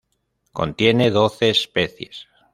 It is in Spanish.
Contiene doce especies